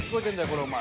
これお前。